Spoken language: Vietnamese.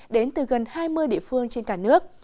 đến từ gần hai mươi địa phương trên cả nước